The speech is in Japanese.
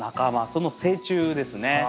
その成虫ですね。